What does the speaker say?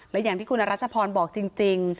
และอย่างที่คุณรัชพรบอกจริง